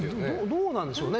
どうなんでしょうね。